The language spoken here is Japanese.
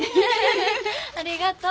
ありがとう。